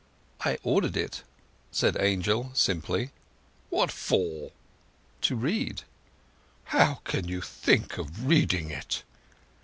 "I ordered it," said Angel simply. "What for?" "To read." "How can you think of reading it?"